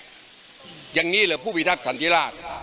อย่างนี้แหละผู้พิทักษ์ท่านที่ราช